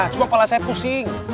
cuma kepala saya pusing